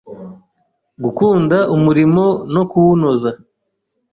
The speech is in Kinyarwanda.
Gukunda umurimo no kuwunoza